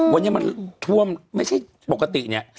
วันนี้มันท่วมไม่ใช่ปกติเนี่ย